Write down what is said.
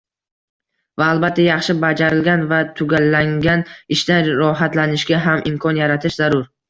Va albatta, yaxshi bajarilgan va tugallangan ishdan rohatlanishga ham imkon yaratish zarur.